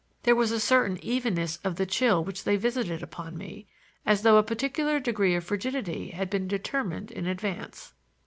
There was a certain evenness of the chill which they visited upon me, as though a particular degree of frigidity had been determined in advance.